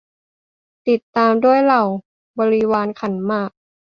ติดตามด้วยเหล่าบริวารขันหมาก